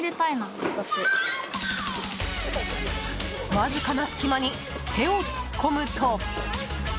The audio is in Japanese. わずかな隙間に手を突っ込むと。